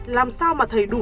làm sao mà thầy đủ